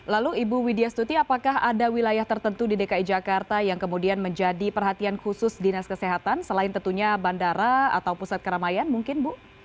lalu ibu widya stuti apakah ada wilayah tertentu di dki jakarta yang kemudian menjadi perhatian khusus dinas kesehatan selain tentunya bandara atau pusat keramaian mungkin bu